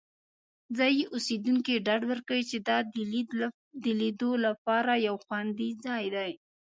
ځایی اوسیدونکي ډاډ ورکوي چې دا د لیدو لپاره یو خوندي ځای دی.